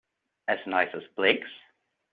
As nice as Blake's?